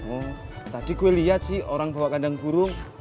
oh tadi gue lihat sih orang bawa kandang burung